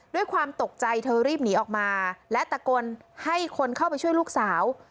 ด้วยความตกใจเธอรีบหนีออกมาและตะโกนให้คนเข้าไปช่วยลูกสาว